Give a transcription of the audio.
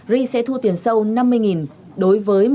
ri sẽ thu tiền sâu năm mươi đối với